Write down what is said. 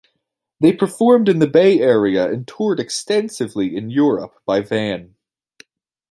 They performed in the Bay Area and toured extensively in Europe by van.